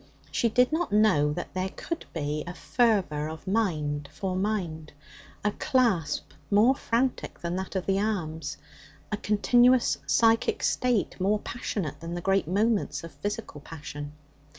She did not know that there could be a fervour of mind for mind, a clasp more frantic than that of the arms, a continuous psychic state more passionate than the great moments of physical passion.